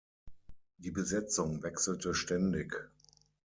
Die Besetzung wechselte ständig.